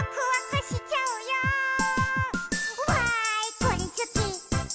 「わーいこれすき！